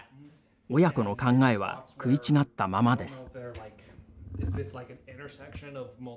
親子の考えは食い違ったままです。